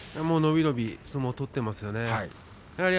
伸び伸び相撲を取っていますよね。